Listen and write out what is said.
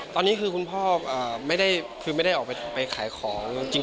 ตอนนี้คือคุณพ่อไม่ได้ออกไปขายของ